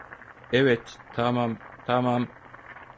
Evet, tamam, tamam.